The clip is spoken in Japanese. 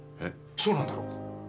そうなんだろう？